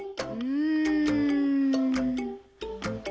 うん。